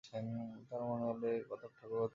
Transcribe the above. তাহার মনে হইল এ কথকঠাকুর অতি অভাজন।